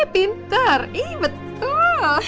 pintar iya betul